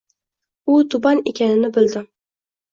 U tuban ekanini bildim.